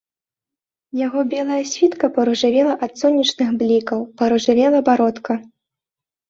Яго белая світка паружавела ад сонечных блікаў, паружавела бародка.